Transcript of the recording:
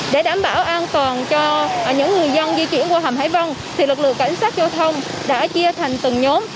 để đảm bảo an toàn cho những người dân di chuyển qua hầm hải vân lực lượng cảnh sát giao thông đã chia thành từng nhóm